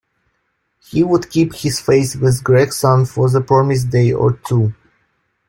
He would keep his faith with Gregson for the promised day or two.